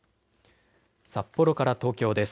札幌から東京です。